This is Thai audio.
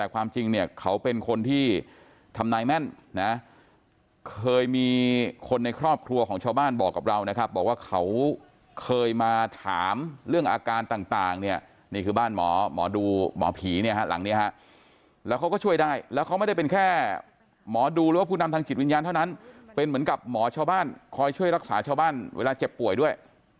ความจริงเนี่ยเขาเป็นคนที่ทำนายแม่นนะเคยมีคนในครอบครัวของชาวบ้านบอกกับเรานะครับบอกว่าเขาเคยมาถามเรื่องอาการต่างเนี่ยนี่คือบ้านหมอหมอดูหมอผีเนี่ยฮะหลังนี้ฮะแล้วเขาก็ช่วยได้แล้วเขาไม่ได้เป็นแค่หมอดูหรือว่าผู้นำทางจิตวิญญาณเท่านั้นเป็นเหมือนกับหมอชาวบ้านคอยช่วยรักษาชาวบ้านเวลาเจ็บป่วยด้วย